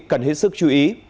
cần hết sức chú ý